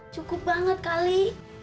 cukup banget kali